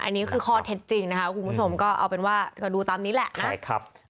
อันนี้คือข้อเท็จจริงนะคะคุณผู้ชมก็ดูตามนี้แหละนะ